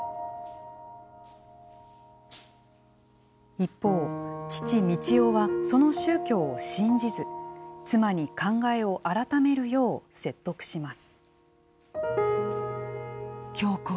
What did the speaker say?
一方、父、三知男はその宗教を信じず、妻に考えを改めるよう説得します。